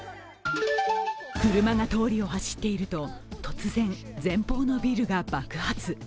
車が通りを走っていると突然前方のビルが爆発。